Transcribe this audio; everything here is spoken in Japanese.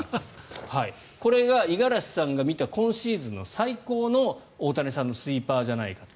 これが五十嵐さんが見た今シーズンの最高の大谷さんのスイーパーじゃないかと。